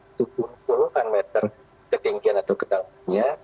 itu pun puluhan meter ketinggian atau kedalamannya